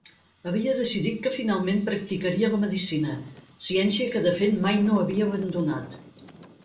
Havia decidit que finalment practicaria la medicina, ciència que de fet mai no havia abandonat.